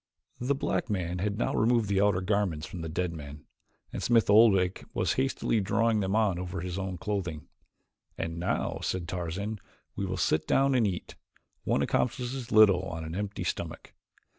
The black man had now removed the outer garments from the dead man, and Smith Oldwick was hastily drawing them on over his own clothing. "And now," said Tarzan, "we will sit down and eat. One accomplishes little on an empty stomach."